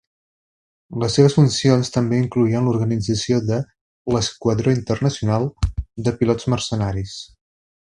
Les seves funcions també incloïen l'organització de l'"Esquadró Internacional" de pilots mercenaris.